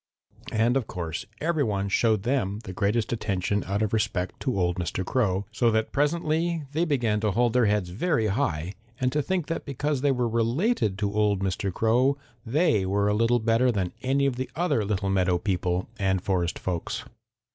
And of course every one showed them the greatest attention out of respect to old Mr. Crow, so that presently they began to hold their heads very high and to think that because they were related to old Mr. Crow they were a little better than any of the other little meadow people and forest folks.